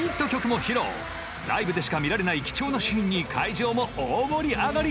ライブでしか見られない貴重なシーンに会場も大盛り上がり！